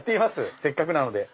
せっかくなので。